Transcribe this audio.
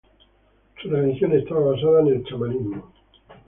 Su religión estaba basada en el chamanismo.